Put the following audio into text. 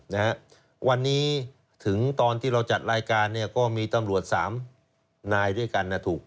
นะฮะวันนี้ถึงตอนที่เราจัดรายการเนี่ยก็มีตำรวจสามนายด้วยกันนะถูก